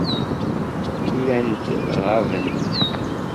Llant ɣabent.